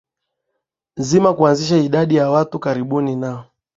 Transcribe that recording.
nzima kuanzisha idadi ya watu karibu na